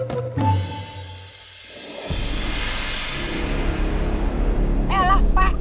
eh alah pak